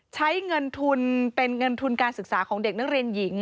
ใช้เงินทุนเป็นเงินทุนการศึกษาของเด็กนักเรียนหญิง